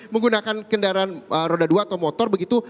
menggunakan kendaraan roda dua atau motor begitu